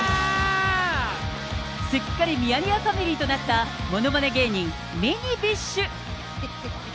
すっかりミヤネ屋ファミリーとなったものまね芸人、ミニビッシュ。